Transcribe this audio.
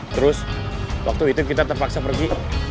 terus waktu itu kita terpaksa pergi